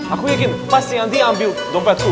aku yakin pasti nanti ambil dompetku